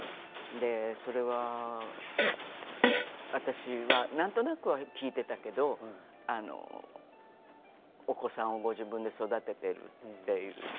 それは私はなんとなくは聞いていたけれどお子さんをご自分で育てているという。